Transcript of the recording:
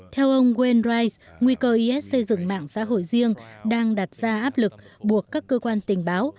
theo ông wendrise nguy cơ is xây dựng mạng xã hội riêng đang đặt ra áp lực buộc các cơ quan tình báo